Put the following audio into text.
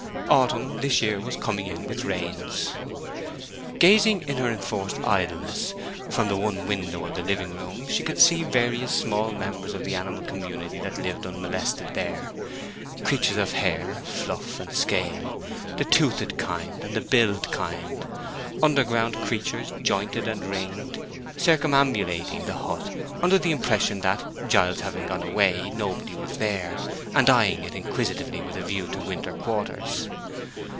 Autumn, this year, was coming in with rains. Gazing, in her enforced idleness, from the one window of the living room, she could see various small members of the animal community that lived unmolested there—creatures of hair, fluff, and scale, the toothed kind and the billed kind; underground creatures, jointed and ringed—circumambulating the hut, under the impression that, Giles having gone away, nobody was there; and eying it inquisitively with a view to winter quarters.